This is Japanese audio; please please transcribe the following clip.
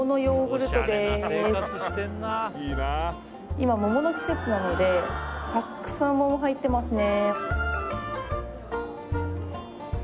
今桃の季節なのでたっくさん桃入ってますね